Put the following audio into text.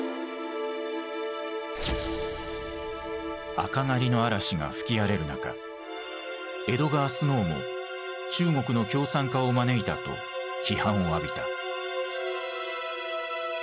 赤狩りの嵐が吹き荒れる中エドガー・スノーも「中国の共産化を招いた」と批判を浴びた。